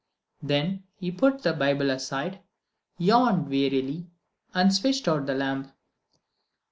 Then he put the Bible aside, yawned wearily, and switched out the lamp.